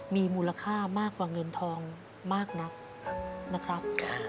มีมูลค่ามากกว่าเงินทองมากนักนะครับ